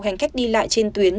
hành khách đi lại trên tuyến